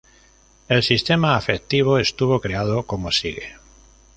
El sistema afectivo estuvo creado como sigue.